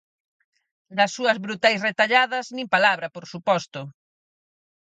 Das súas brutais retalladas, nin palabra, por suposto.